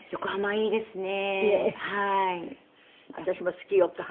私も好き横浜。